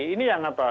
ini yang apa